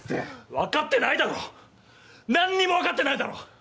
分かってないだろ何にも分かってないだろ！